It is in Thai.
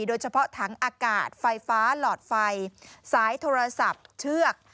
โดยเฉพาะถังอากาศไฟฟ้าหลอดไฟสายโทรศัพท์เชือก